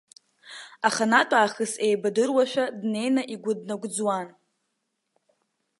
Аханатә аахыс еибыдыруашәа, днеины игәы днагәӡуан.